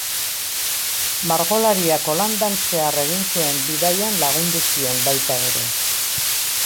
Margolariak Holandan zehar egin zuen bidaian lagundu zion baita ere.